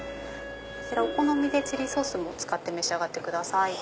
お好みでチリソースも使って召し上がってください。